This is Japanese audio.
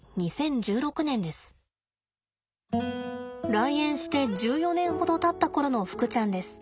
来園して１４年ほどたった頃のふくちゃんです。